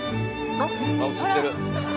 あっ映ってる。